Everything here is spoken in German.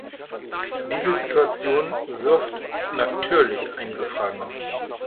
Diese Situation wirft natürlich einige Fragen auf.